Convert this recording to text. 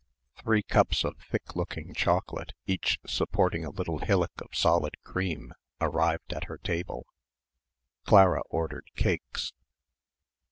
Three cups of thick looking chocolate, each supporting a little hillock of solid cream arrived at her table. Clara ordered cakes.